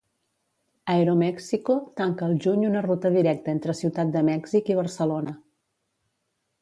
Aeroméxico tanca al juny una ruta directa entre Ciutat de Mèxic i Barcelona.